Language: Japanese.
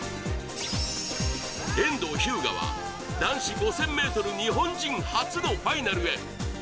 遠藤日向は男子５０００ｍ日本人初のファイナルへ。